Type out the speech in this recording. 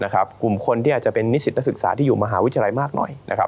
กลุ่มคนที่อาจจะเป็นนิสิตนักศึกษาที่อยู่มหาวิทยาลัยมากหน่อย